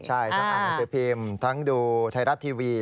ใช่ทั้งอ่านหนังสือพิมพ์ทั้งดูไทยรัฐทีวี